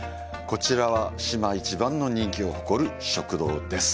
こちらは島一番の人気を誇る食堂です。